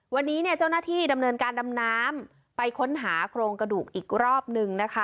วันนี้เนี่ยเจ้าหน้าที่ดำเนินการดำน้ำไปค้นหาโครงกระดูกอีกรอบนึงนะคะ